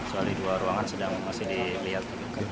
soalnya dua ruangan masih dilihat